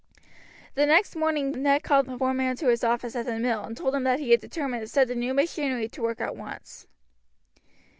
The next morning Ned called the foreman into his office at the mill, and told him that he had determined to set the new machinery at work at once.